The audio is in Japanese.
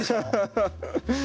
ハハハハッ！